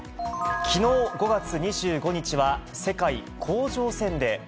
きのう５月２５日は、世界甲状腺デー。